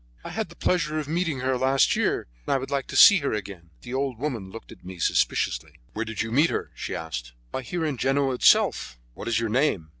"I had the pleasure of meeting her last year, and I should like to see her again." The old woman looked at me suspiciously. "Where did you meet her?" she asked. "Why, here in Genoa itself." "What is your name?"